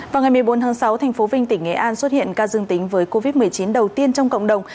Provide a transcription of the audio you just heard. vào ngày một mươi bốn tháng sáu thành phố vinh tỉnh nghệ an xuất hiện ca dương tính với covid một mươi chín đầu tiên trong cộng đồng